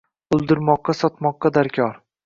Oʻldirmoqqa, sotmoqqa darkor.